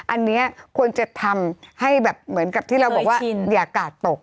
อันนี้ควรจะทำให้แบบเหมือนกับที่เราบอกว่าอย่ากาดตก